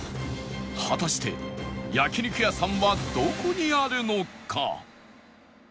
果たして焼肉屋さんはどこにあるのか？